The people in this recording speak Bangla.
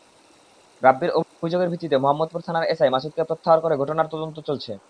রাব্বীর অভিযোগের ভিত্তিতে মোহাম্মদপুর থানার এসআই মাসুদকে প্রত্যাহার করে ঘটনার তদন্ত চলছে।